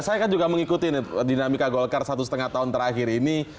saya kan juga mengikuti dinamika golkar satu setengah tahun terakhir ini